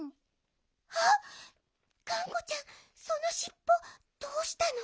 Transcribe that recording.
あっがんこちゃんそのしっぽどうしたの？